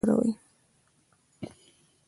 د زړه بدوالي لپاره زنجبیل وکاروئ